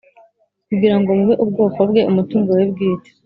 kugira ngo mube ubwoko bwe, umutungo we bwite.